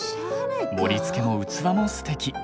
盛りつけも器もステキ。